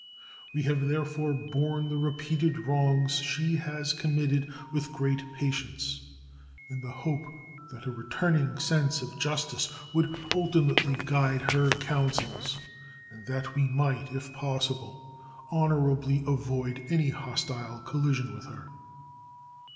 We have therefore borne the repeated wrongs she has committed with great patience, in the hope that a returning sense of justice would ultimately guide her councils and that we might, if possible, honorably avoid any hostile collision with her.